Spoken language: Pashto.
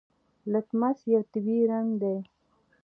لتمس یو طبیعي رنګ دی.